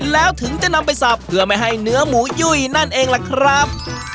แล้วถึงจะนำไปสับเพื่อไม่ให้เนื้อหมูยุ่ยนั่นเองล่ะครับ